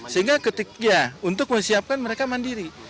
sehingga ketika untuk menyiapkan mereka mandiri